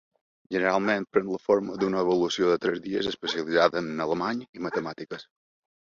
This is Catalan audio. Generalment pren la forma d'una avaluació de tres dies especialitzada en alemany i matemàtiques.